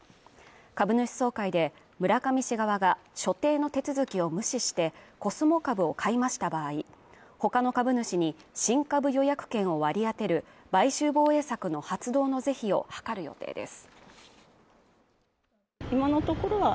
株主総会で村上氏側が所定の手続きを無視してコスモ株を買い増した場合、他の株主に新株予約権を割り当てる買収防衛策の発動の是非をはかる予定です。